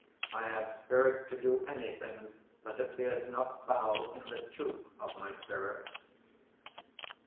I have spirit to do any thing that appears not foul in the truth of my spirit.